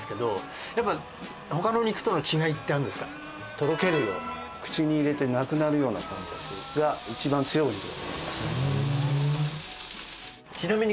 とろけるような口に入れてなくなるような感覚が一番強いお肉だと思います。